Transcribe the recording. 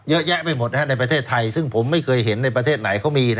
เยอะแยะไปหมดในประเทศไทยซึ่งผมไม่เคยเห็นในประเทศไหนเขามี